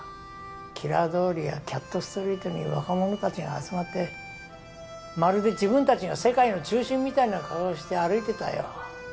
キラー通りやキャットストリートに若者たちが集まってまるで自分たちが世界の中心みたいな顔をして歩いてたよ。